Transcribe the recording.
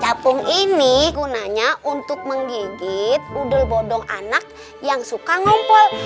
capung ini gunanya untuk menggigit udul bodong anak yang suka ngumpul